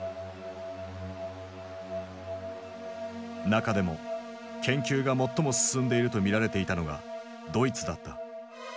中でも研究が最も進んでいると見られていたのがドイツだった。